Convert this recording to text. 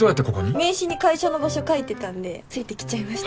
名刺に会社の場所書いてたんでついてきちゃいました。